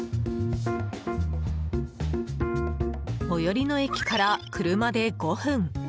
最寄りの駅から車で５分。